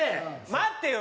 待ってよ。